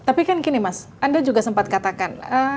tapi kan gini mas anda juga sempat katakan